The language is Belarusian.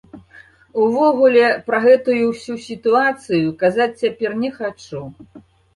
Увогуле пра гэтую ўсю сітуацыю казаць цяпер не хачу.